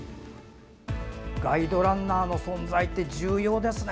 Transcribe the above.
ガイドランナーの存在って重要ですね。